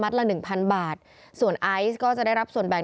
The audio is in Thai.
จากนั้นก็จะนำมาพักไว้ที่ห้องพลาสติกไปวางเอาไว้ตามจุดนัดต่าง